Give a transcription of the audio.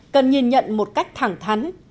cần nhìn nhận một cách thẳng thắn